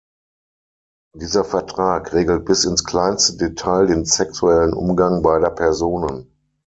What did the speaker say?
Dieser Vertrag regelt bis ins kleinste Detail den sexuellen Umgang beider Personen.